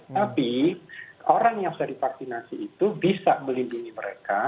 tapi orang yang sudah divaksinasi itu bisa melindungi mereka